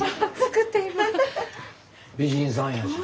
美人さんやし。